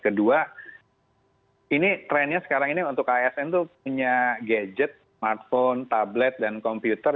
kedua ini trennya sekarang ini untuk asn itu punya gadget smartphone tablet dan komputer